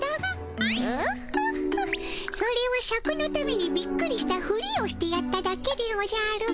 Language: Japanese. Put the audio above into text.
オホッホそれはシャクのためにびっくりしたフリをしてやっただけでおじゃる。